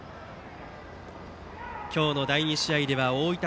今日の第２試合では大分